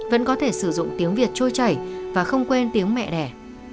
vẫn có thể sử dụng tiếng việt trôi chảy và không quên tiếng mẹ đẻ